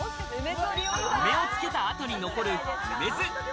梅を漬けた後に残る梅酢。